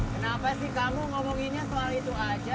kenapa sih kamu ngomonginnya soal itu aja